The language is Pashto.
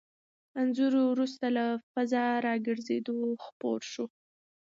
انځور وروسته له فضا راګرځېدو خپور شو.